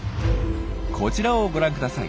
こちらをご覧ください。